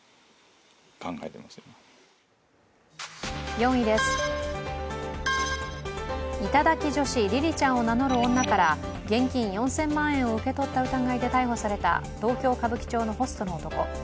４位です、頂き女子りりちゃんを名乗る女から現金４０００万円を受け取った疑いで逮捕された東京・歌舞伎町のホストの男。